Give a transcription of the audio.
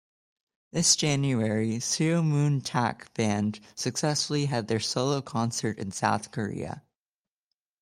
This January, Seo Moon Tak Band successfully had their solo concert in South Korea.